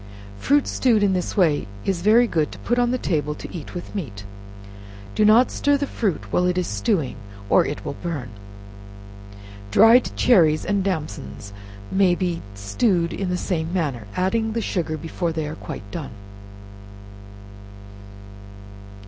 Fruit stewed in this way is very good to put on the table to eat with meat. Do not stir the fruit while it is stewing, or it will burn. Dried cherries and damsons may be stewed in the same manner, adding the sugar before they are quite done.